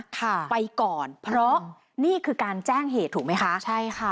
ค่ะไปก่อนเพราะนี่คือการแจ้งเหตุถูกไหมคะใช่ค่ะ